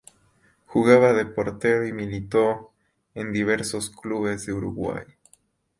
Jugaba de portero y militó en diversos clubes de Uruguay.